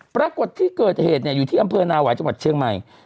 ปรากฏที่เกิดเหตุอยู่ที่อำเภอนาหวายจังหวัดเชียงใหม่